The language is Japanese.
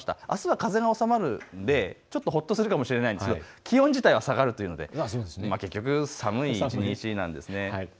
あすは風が収まるので、ちょっとほっとするかもしれませんが気温自体は下がるというので結局、寒い一日なんです。